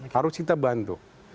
harus kita bantu